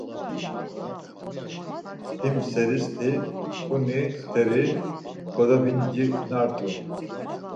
Him seristi kuni st̆eri kodovincinart̆u.